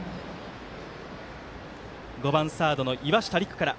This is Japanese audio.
５番サードの岩下吏玖から。